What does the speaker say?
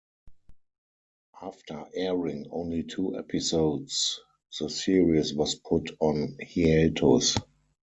After airing only two episodes, the series was put on hiatus.